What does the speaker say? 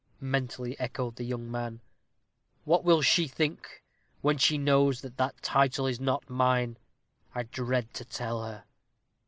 mentally echoed the young man. "What will she think when she knows that that title is not mine? I dread to tell her."